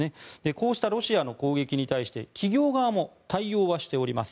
こうしたロシアの攻撃に対して企業側も対応はしております。